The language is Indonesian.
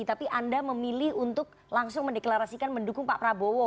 tapi anda memilih untuk langsung mendeklarasikan mendukung pak prabowo